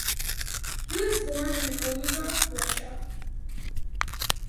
He was born in Kaluga, Russia.